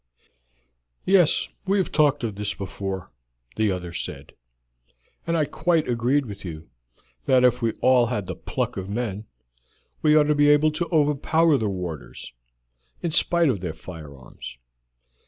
"Yes, we have talked of this before," the other said, "and I quite agreed with you that if we all had the pluck of men we ought to be able to overpower the warders, in spite of their firearms.